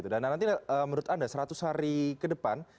dan nanti menurut anda seratus hari ke depan